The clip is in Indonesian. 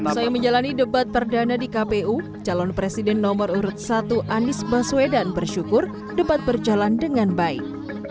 usai menjalani debat perdana di kpu calon presiden nomor urut satu anies baswedan bersyukur debat berjalan dengan baik